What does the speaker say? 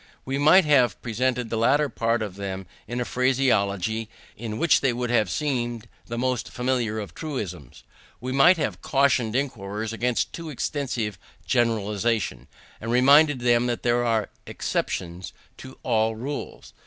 We might have presented the latter part of them in a phraseology in which they would have seemed the most familiar of truisms: we might have cautioned inquirers against too extensive generalization, and reminded them that there are exceptions to all rules.